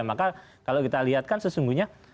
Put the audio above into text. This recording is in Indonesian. maka kalau kita lihat kan sesungguhnya